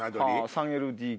３ＬＤＫ。